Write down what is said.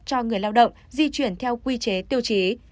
cho người lao động di chuyển theo quy chế tiêu chí